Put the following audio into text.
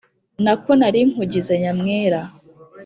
Nako nari nkugize nyamwera